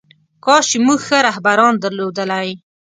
کاش چې موږ ښه رهبران درلودلی.